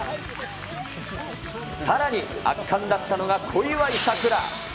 さらに、圧巻だったのが小祝さくら。